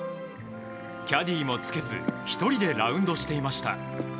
キャディーもつけず１人でラウンドしていました。